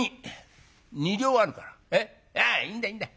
ああいいんだいいんだ。